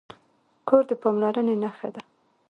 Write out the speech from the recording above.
کور د پاملرنې نښه ده.